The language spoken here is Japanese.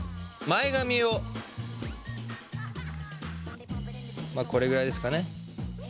前髪をこれぐらいですかね